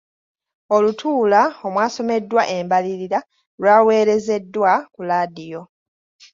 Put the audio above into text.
Olutuula omwasomeddwa embalirira lwaweerezeddwa ku laadiyo.